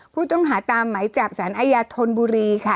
ผู้ต้องหาตามไหมจับสารอาญาธนบุรีค่ะ